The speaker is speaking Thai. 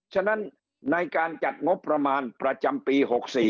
ฉะนั้นในการจัดงบประมาณประจำปี๖๔